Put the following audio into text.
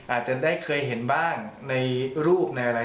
อาจจะได้เคยเห็นบ้างในรูปในอะไร